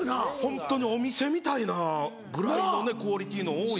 ホントにお店みたいなぐらいのクオリティーの多い。